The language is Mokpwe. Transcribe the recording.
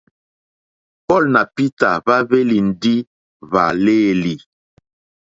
Paul nà Peter hwá hwélì ndí hwàléèlì.